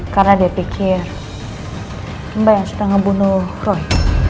karena dia pikir mbak yang sudah ngebunuh roy